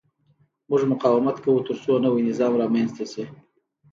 موږ مقاومت کوو ترڅو نوی نظام رامنځته شي.